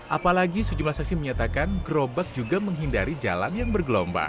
apalagi sejumlah saksi menyatakan gerobak juga menghindari jalan yang bergelombang